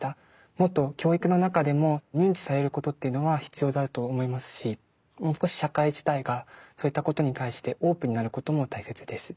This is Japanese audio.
もっと教育の中でも認知されることというのは必要だと思いますしもう少し社会自体がそういったことに対してオープンになることも大切です。